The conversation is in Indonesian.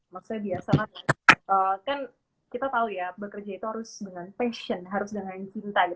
maksudnya biasa kan kita tahu ya bekerja itu harus dengan passion harus dengan cinta